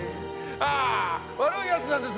ああ悪いやつなんです